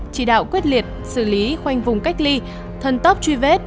chỉ đạo quyết liệt xử lý khoanh vùng cách ly thần tốc truy vết